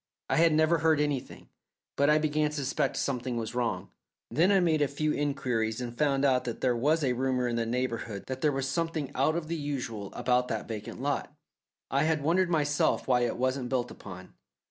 I had never heard anything, but I began to suspect something was wrong. Then I made a few inquiries and found out that there was a rumour in the neighbourhood that there was something out of the usual about that vacant lot. I had wondered myself why it wasn't built upon.